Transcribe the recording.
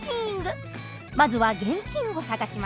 まずは現金を探します。